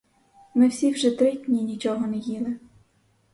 Ми всі вже три дні нічого не їли.